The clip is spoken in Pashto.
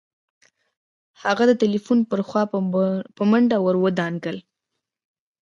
هغه د ټليفون پر خوا په منډه ور ودانګل.